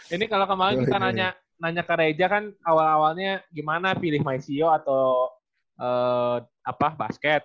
ini kalau kemarin kita nanya nanya ke reja kan awal awalnya gimana pilih main ceo atau basket